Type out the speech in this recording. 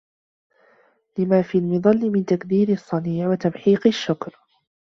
لِمَا فِي الْمَطْلِ مِنْ تَكْدِيرِ الصَّنِيعِ وَتَمْحِيقِ الشُّكْرِ